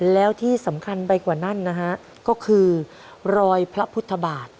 แล้วที่สำคัญไปกว่านั้นนะฮะก็คือรอยพระพุทธบาท